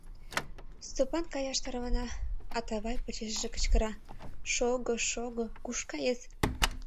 Стопан каяш тарвана, Атавай почешыже кычкыра: «Шого, шого, куш кает?